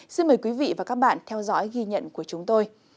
xin mời quý vị và các bạn theo dõi ghi nhận của chúng tôi